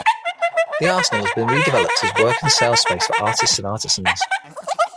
The arsenal has been redeveloped as work and sales space for artists and artisans.